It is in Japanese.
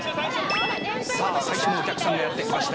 さあ、最初のお客さんがやってきました。